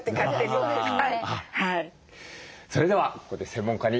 そうですね。